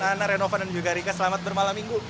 hana renova dan juga rika selamat bermalam minggu